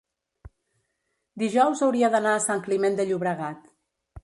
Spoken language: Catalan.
dijous hauria d'anar a Sant Climent de Llobregat.